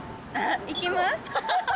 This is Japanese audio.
行きます。